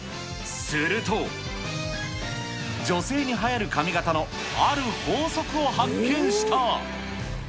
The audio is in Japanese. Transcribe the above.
すると、女性にはやる髪形のある法則を発見した。